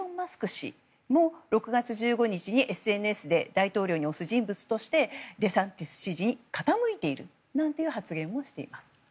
氏も６月１５日にＳＮＳで大統領に推す人物としてデサンティス支持に傾いているなんていう発言をしています。